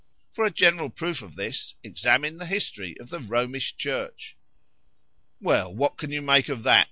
——For a general proof of this,—examine the history of the Romish church;"—[Well what can you make of that?